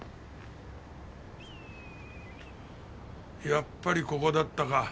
やっぱりここだったか。